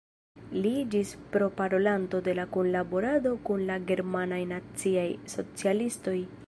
Li iĝis proparolanto de la kunlaborado kun la germanaj naciaj socialistoj.